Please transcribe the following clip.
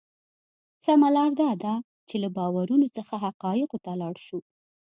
سمه لار دا ده چې له باورونو څخه حقایقو ته لاړ شو.